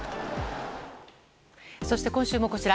そして今週もこちら。